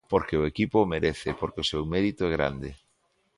Porque o equipo o merece e porque o seu mérito é grande.